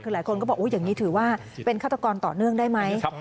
คือหลายคนก็บอกอย่างนี้ถือว่าเป็นฆาตกรต่อเนื่องได้ไหม